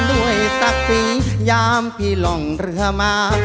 ด้วยสักปียามพี่หล่องเรือมา